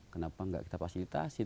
kenapa nggak kita fasilitasi